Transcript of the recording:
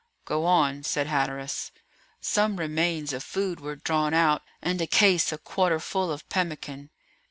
"Go on," said Hatteras. Some remains of food were drawn out, and a case a quarter full of pemmican.